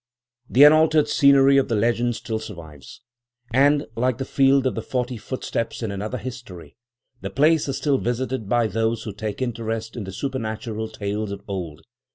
'" The unaltered scenery of the legend still survives, and, like the field of the forty footsteps in another history, the place is still visited by those who take interest in the supernatural tales of old.